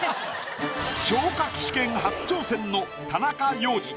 昇格試験初挑戦の田中要次。